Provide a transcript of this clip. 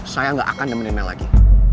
saya gak akan nemenin nel lagi